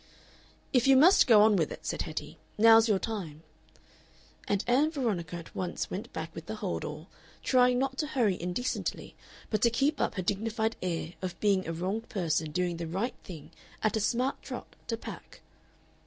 "If you must go on with it," said Hetty, "now's your time." And Ann Veronica at once went back with the hold all, trying not to hurry indecently but to keep up her dignified air of being a wronged person doing the right thing at a smart trot, to pack.